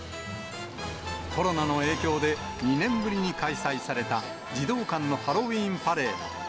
コロナの影響で、２年ぶりに開催された児童館のハロウィーンパレード。